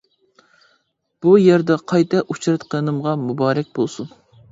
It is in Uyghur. بۇ يەردە قايتا ئۇچراتقىنىمغا مۇبارەك بولسۇن!